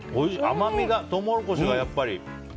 甘みがトウモロコシがやっぱり。